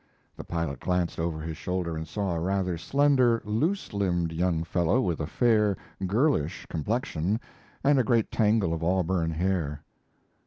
The pilot glanced over his shoulder and saw a rather slender, loose limbed young fellow with a fair, girlish complexion and a great tangle of auburn hair.